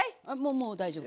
もう大丈夫。